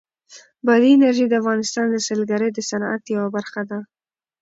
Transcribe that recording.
بادي انرژي د افغانستان د سیلګرۍ د صنعت یوه برخه ده.